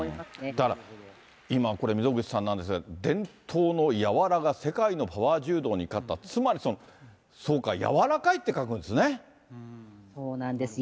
だから今、これ、溝口さんなんですが、伝統の柔が世界のパワー柔道に勝った、つまりその、そうか、柔らかいって書くんですね。